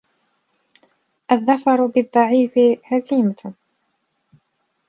الظَّفَرُ بالضعيف هزيمة